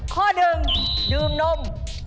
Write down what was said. ข้อ๑ดื่มนม